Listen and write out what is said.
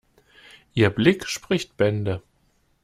Ihr Blick spricht Bände.